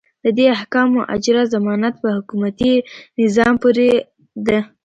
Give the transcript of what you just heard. د دې احکامو اجرا ضمانت په حکومتي نظام پورې ده.